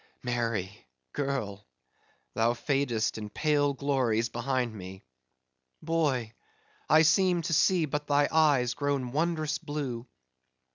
Mary, girl! thou fadest in pale glories behind me; boy! I seem to see but thy eyes grown wondrous blue.